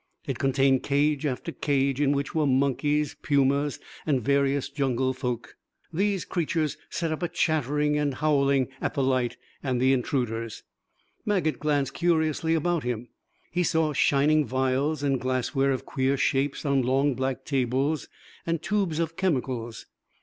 It contained cage after cage in which were monkeys, pumas, and various jungle folk. These creatures set up a chattering and howling at the light and intruders. Maget glanced curiously about him. He saw shining vials and glassware of queer shapes on long black tables, and tubes of chemicals.